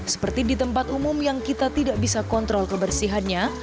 seperti di tempat umum yang kita tidak bisa kontrol kebersihannya